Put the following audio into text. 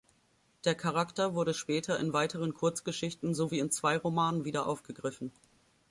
Der Charakter wurde später in weiteren Kurzgeschichten sowie in zwei Romanen wieder aufgegriffen.